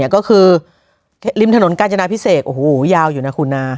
ก็คือริมถนนกาญจนาพิเศษโอ้โหยาวอยู่นะคุณนะ